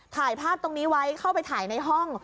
ถ่ายภาพตรงนี้ไว้เข้าไปถ่ายในห้อง